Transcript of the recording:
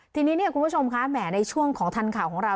ทีนี้เนี่ยคุณผู้ชมคะแหมในช่วงของทันข่าวของเรา